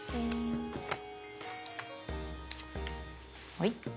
はい。